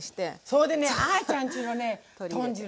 それでねあちゃんちのね豚汁